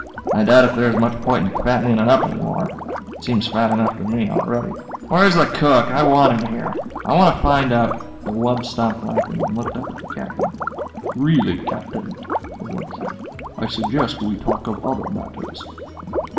I doubt if there's much point in fattening it up any more. It seems fat enough to me already. Where's the cook? I want him here. I want to find out " The wub stopped lapping and looked up at the Captain. "Really, Captain," the wub said. "I suggest we talk of other matters."